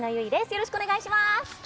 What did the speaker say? よろしくお願いします！